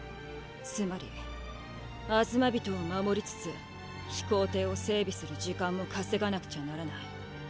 つまりアズマビトを守りつつ飛行艇を整備する時間も稼がなくちゃならない。